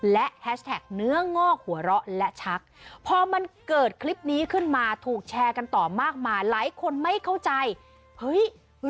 เฮ้ยเรื่องนี้จริงหรอ